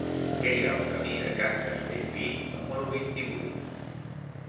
Què hi ha al camí de Can Castellví número vint-i-vuit?